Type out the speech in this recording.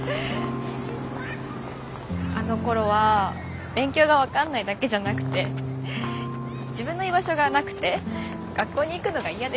あのころは勉強が分かんないだけじゃなくて自分の居場所がなくて学校に行くのが嫌でした。